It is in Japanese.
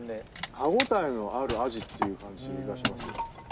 歯応えのあるアジっていう感じがします。